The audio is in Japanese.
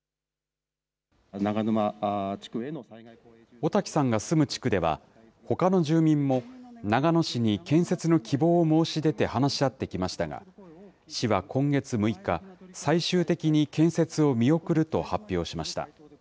小滝さんが住む地区では、ほかの住民も長野市に建設の希望を申し出て話し合ってきましたが、市は今月６日、最終的に建設を見送ると発表しました。